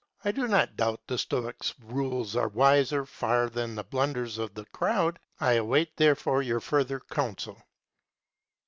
I do not doubt the Stoics' rules are wiser far than the blunders of the crowd. I await therefore your further counsel.